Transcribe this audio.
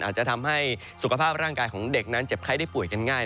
อาจจะทำให้สุขภาพร่างกายของเด็กนั้นเจ็บไข้ได้ป่วยกันง่าย